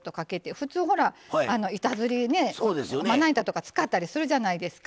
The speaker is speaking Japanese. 普通板ずり、まな板とか使ったりするじゃないですか